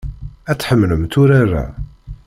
Ad tḥemmlemt urar-a.